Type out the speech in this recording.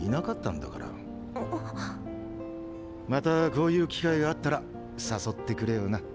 またこういう機会あったら誘ってくれよな。